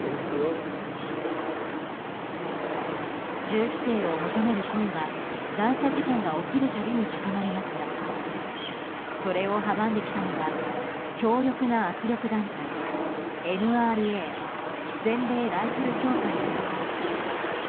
銃規制を求める声は乱射事件が起きる度に高まりますがそれを阻んできたのが強力な圧力団体ＮＲＡ・全米ライフル協会です。